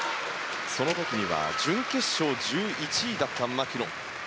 その時には準決勝１１位だった牧野。